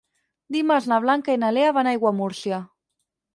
Dimarts na Blanca i na Lea van a Aiguamúrcia.